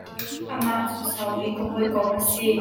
Amah cu saupi ka hawikom a si.